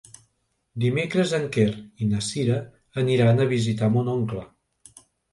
Dimecres en Quer i na Cira aniran a visitar mon oncle.